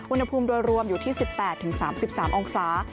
อุณหภูมิโดยรวมอยู่ที่๑๘๓๓องศา